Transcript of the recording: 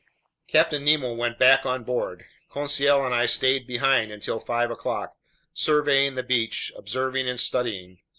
Captain Nemo went back on board. Conseil and I stayed behind until five o'clock, surveying the beach, observing and studying.